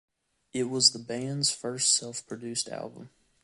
It was the band's first self-produced album.